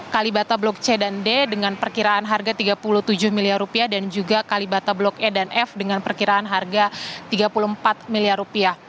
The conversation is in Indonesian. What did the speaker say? kalibata blok c dan d dengan perkiraan harga tiga puluh tujuh miliar rupiah dan juga kalibata blok e dan f dengan perkiraan harga tiga puluh empat miliar rupiah